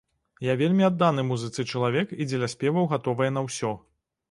Я вельмі адданы музыцы чалавек і дзеля спеваў гатовая на ўсё.